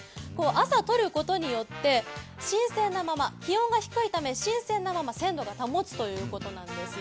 朝とることによって気温が低いため新鮮なまま鮮度が保つということなんです。